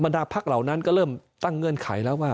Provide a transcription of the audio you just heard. ดาพักเหล่านั้นก็เริ่มตั้งเงื่อนไขแล้วว่า